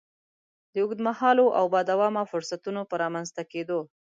د اوږد مهالو او با دوامه فرصتونو په رامنځ ته کېدو.